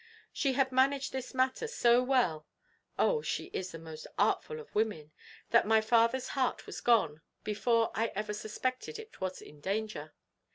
"She had managed this matter so well (O, she is the most artful of women!) that my father's heart was gone before I ever suspected it was in danger.